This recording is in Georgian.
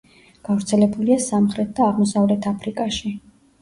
გავრცელებულია სამხრეთ და აღმოსავლეთ აფრიკაში.